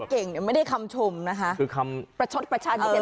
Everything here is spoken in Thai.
เข้ามาเป็นเข่านั้นน่ะเฮ้อ